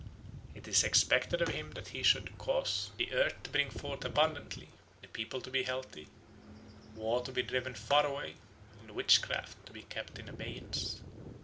It is expected of him that he should cause the earth to bring forth abundantly, the people to be healthy, war to be driven far away, and witchcraft to be kept in abeyance.